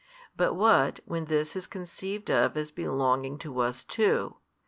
But what, when this is conceived of as belonging to us too?